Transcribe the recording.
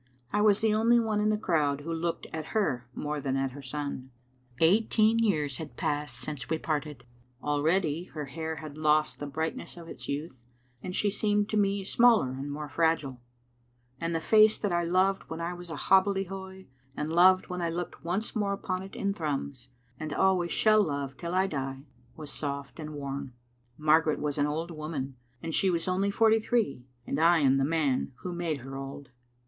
I was the only one in the crowd who looked at her more than at her son. Eighteen years had passed since we parted. Already her hair had lost the brightness of its youth, and she seemed to me smaller and more fragile ; and the face that I loved when I was a hobbledehoy, and loved when I looked once more upon it in Thrums, and always shall love till I die, was soft and worn. Margaret was an old woman, and she was only forty three : and I am the man who made her old.